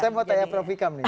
saya mau tanya prof ikam nih